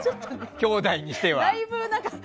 きょうだいにしては。